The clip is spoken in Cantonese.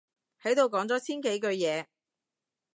喺度講咗千幾句嘢